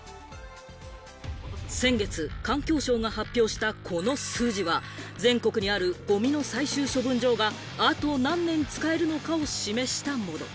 先月、環境省が発表したこの数字は、全国にあるごみを最終処分場があと何年使えるのかを示したもの。